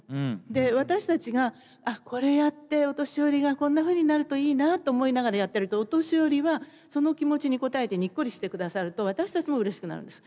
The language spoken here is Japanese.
で私たちがこれやってお年寄りがこんなふうになるといいなと思いながらやってるとお年寄りはその気持ちに応えてにっこりしてくださると私たちもうれしくなるんです。